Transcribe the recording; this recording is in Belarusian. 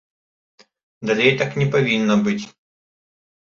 Далей так не павінна быць.